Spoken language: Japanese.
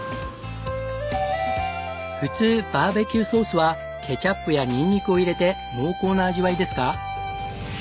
普通バーベキューソースはケチャップやニンニクを入れて濃厚な味わいですが。